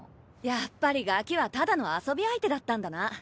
やっぱりガキはただの遊び相手だったんだな。